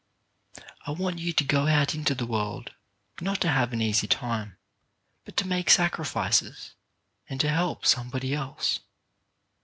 I want you to go out into the world, not to have an easy time, but to make sacrifices, and to help somebody else.